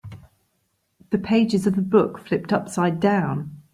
The pages of the book flipped upside down.